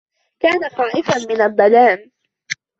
كان خائفا من الظلام.